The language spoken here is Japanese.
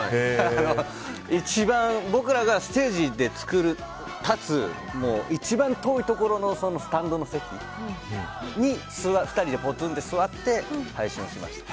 僕らがステージに立つ一番遠いところのスタンドの席に２人で、ぽつんと座って配信をしました。